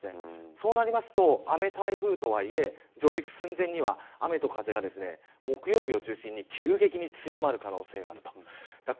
そうなると雨台風とはいえ上陸寸前には雨と風が木曜日を中心に、急激に強まる可能性があります。